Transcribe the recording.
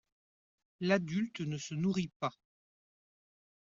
L'adulte ne se nourrit pas.